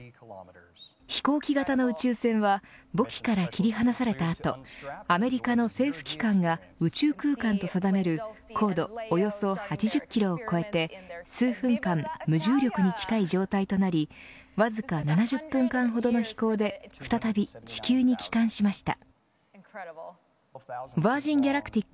飛行機型の宇宙船は母機から切り離された後アメリカの政府機関が宇宙空間と定める高度およそ８０キロを超えて数分間無重力に近い状態となりわずか７０分間ほどの飛行で再び地球に帰還しました。